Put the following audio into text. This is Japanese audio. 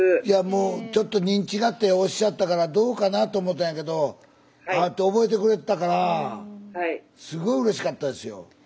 いやもうちょっと認知がっておっしゃったからどうかなと思ったんやけど会って覚えてくれてたからすごいうれしかったですよ。